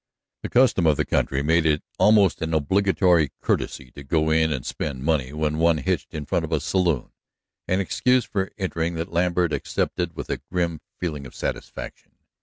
The custom of the country made it almost an obligatory courtesy to go in and spend money when one hitched in front of a saloon, an excuse for entering that Lambert accepted with a grim feeling of satisfaction.